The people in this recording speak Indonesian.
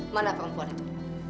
mana perempuan itu